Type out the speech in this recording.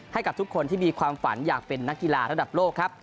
ให้กับทุกคนที่มีความฝันอยากเป็นนักกีฬาระดับโลกครับ